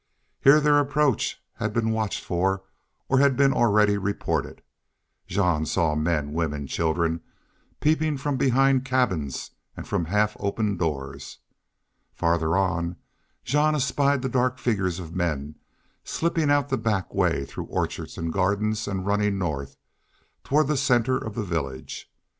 Here their approach bad been watched for or had been already reported. Jean saw men, women, children peeping from behind cabins and from half opened doors. Farther on Jean espied the dark figures of men, slipping out the back way through orchards and gardens and running north, toward the center of the village.